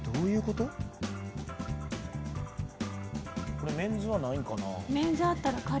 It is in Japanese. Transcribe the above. これメンズはないんかな？